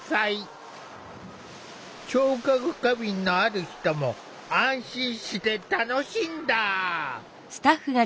聴覚過敏のある人も安心して楽しんだ。